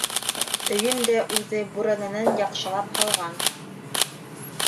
Өйөн дә үҙе бүрәнәнән яҡшылап һалған.